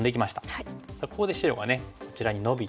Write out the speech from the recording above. さあここで白がこちらにノビて。